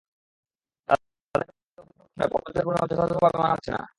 তাঁদের অভিযোগ, নদীর তলদেশ খননে প্রকল্পের পরিমাপ যথাযথভাবে মানা হচ্ছে না।